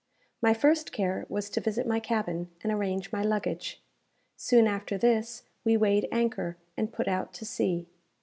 My first care was to visit my cabin, and arrange my luggage. Soon after this, we weighed anchor, and put out to sea.